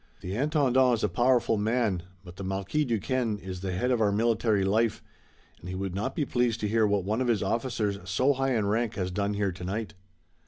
The Intendant is a powerful man, but the Marquis Duquesne is the head of our military life, and he would not be pleased to hear what one of his officers so high in rank has done here tonight."